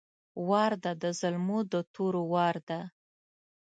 وار ده د زلمو د تورو وار ده!